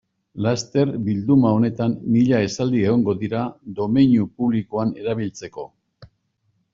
Laster, bilduma honetan, mila esaldi egongo dira domeinu publikoan erabiltzeko.